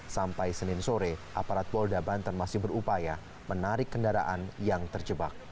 sampai senin sore aparat polda banten masih berupaya menarik kendaraan yang terjebak